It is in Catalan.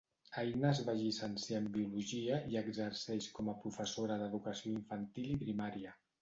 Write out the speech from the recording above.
Aina es va llicenciar en Biologia i exerceix com a professora d'educació infantil i primària.